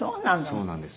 そうなんですよ。